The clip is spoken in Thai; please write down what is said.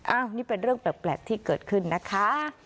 อันนี้เป็นเรื่องแปลกที่เกิดขึ้นนะคะ